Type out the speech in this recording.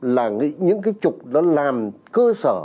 là những cái trục đó làm cơ sở